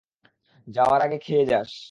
যাওয়ার আগে খেয়ে যাস।